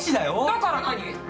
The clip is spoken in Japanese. だから何？